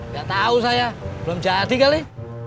gak tahu saya belum jadi kali